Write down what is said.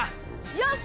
よし！